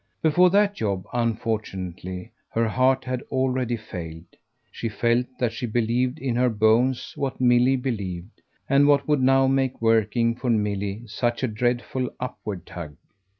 Before that job, unfortunately, her heart had already failed. She felt that she believed in her bones what Milly believed, and what would now make working for Milly such a dreadful upward tug.